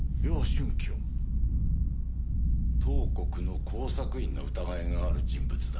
東国の工作員の疑いがある人物だ。